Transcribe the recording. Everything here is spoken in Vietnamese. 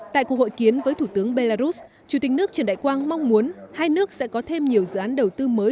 tại cuộc hội kiến với thủ tướng belarus chủ tịch nước trần đại quang mong muốn hai nước sẽ có thêm nhiều dự án đầu tư mới